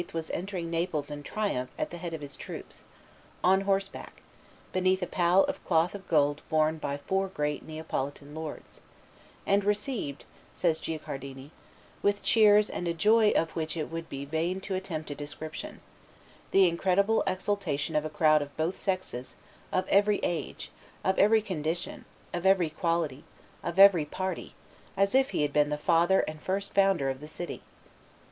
was entering Naples in triumph at the head of his troops, on horseback, beneath a pall of cloth of gold borne by four great Neapolitan lords, and "received," says Guicciardini, "with cheers and a joy of which it would be vain to attempt a description; the incredible exultation of a crowd of both sexes, of every age, of every condition, of every quality, of every party, as if he had been the father and first founder of the city."